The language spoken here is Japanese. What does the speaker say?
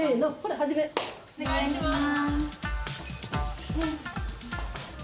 お願いします。